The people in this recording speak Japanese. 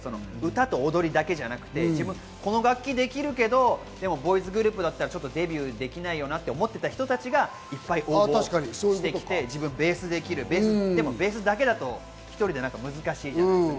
歌と踊りだけじゃなくて、この楽器できるけど、ボーイズグループだったらデビューできないよなって思ってた人たちが応募してきて、自分ベースできる、でもベースだけだと１人で難しいじゃないですか。